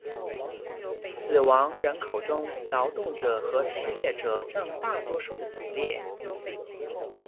死亡人口中劳动者和失业者占大多数的比例。